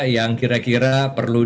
yang kira kira perlu